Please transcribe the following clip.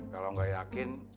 kalau gak yakin